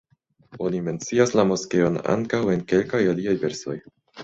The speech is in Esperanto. Oni mencias la moskeon ankaŭ en kelkaj aliaj versoj.